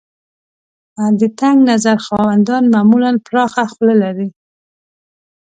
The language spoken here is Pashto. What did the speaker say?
د تنګ نظر خاوندان معمولاً پراخه خوله لري.